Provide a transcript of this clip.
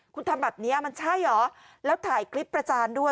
คุณทำแบบนี้มันใช่เหรอแล้วถ่ายคลิปประจานด้วย